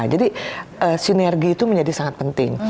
jadi sinergi itu menjadi sangat penting